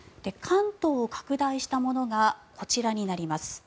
関東を拡大したものがこちらになります。